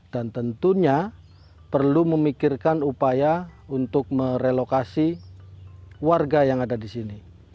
tentunya perlu memikirkan upaya untuk merelokasi warga yang ada di sini